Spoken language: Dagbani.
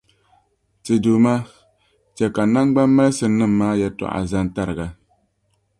Ti Duuma, chɛ ka naŋgbammalisimnim’ maa yɛtɔɣa zan’ tariga.